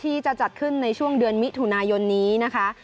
ที่จะจัดขึ้นในช่วงเดือนมิถุนายนนี้นะคะ